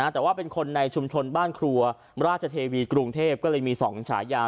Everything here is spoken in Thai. แต่ว่าเป็นคนในชุมชนบ้านครัวราชเทวีกรุงเทพก็เลยมี๒ฉายา